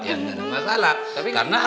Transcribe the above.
ya gak ada masalah